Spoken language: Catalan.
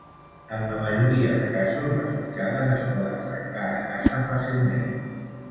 En la majoria de casos, les picades es poden tractar a casa fàcilment.